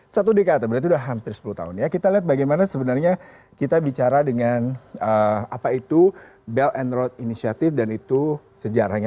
satu dekade berarti sudah hampir sepuluh tahun ya kita lihat bagaimana sebenarnya kita bicara dengan apa itu belt and road initiative dan itu sejarahnya